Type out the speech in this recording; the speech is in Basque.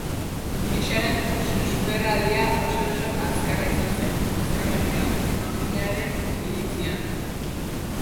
Inexaren susperraldia oso-oso azkarra izan zen, azkarregia, emaginaren iritzian.